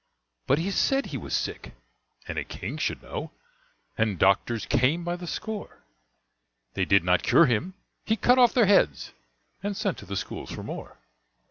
But he said he was sick, and a king should know, And doctors came by the score. They did not cure him. He cut off their heads And sent to the schools for more.